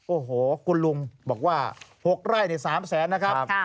โอ้โหคุณลุงบอกว่า๖ไร่ใน๓แสนนะครับ